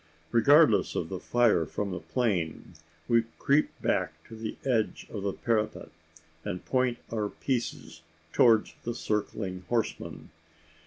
Regardless of the fire from the plain, we creep back to the edge of the parapet, and point our pieces towards the circling horsemen.